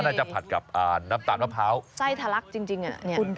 ก็น่าจะผัดกับอ่านน้ำตาลมะพร้าวใส่ถลักจริงอ่ะเนี่ย